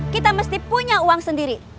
kita mesti punya uang sendiri